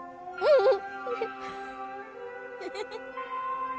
うん！